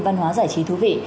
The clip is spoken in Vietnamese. văn hóa giải trí thú vị